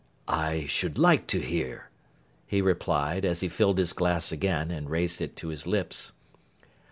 'I should like to hear,' he replied, as he filled his glass again, and raised it to his lips.